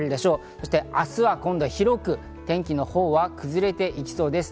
そして明日は広く天気のほうは崩れていきそうです。